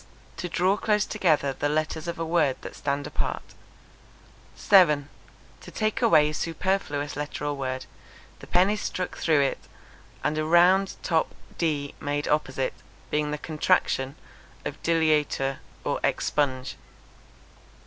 To draw close together the letters of a word that stand apart. 7. To take away a superfluous letter or word, the pen is struck through it and a round top d made opposite, being the contraction of _deleatur_='expunge.'